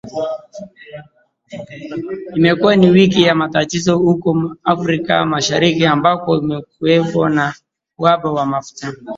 Imekuwa ni wiki ya matatizo huko Afrika Mashariki ambako kumekuwepo na uhaba wa mafuta